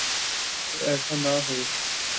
تو ایسا نہ ہو۔